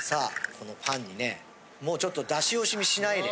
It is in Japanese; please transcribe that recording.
このパンにねもうちょっと出し惜しみしないで。